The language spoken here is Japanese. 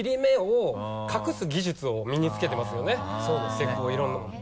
結構いろんなもの。